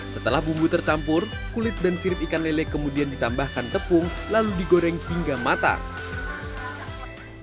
setelah bumbu tercampur kulit dan sirip ikan lele kemudian ditambahkan tepung lalu digoreng hingga matang